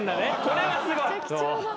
これはすごい。